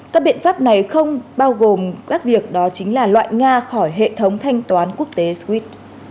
các biện pháp này không bao gồm các việc đó chính là loại nga khỏi hệ thống thanh toán quốc tế sqit